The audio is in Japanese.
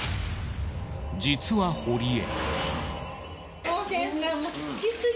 実は堀江。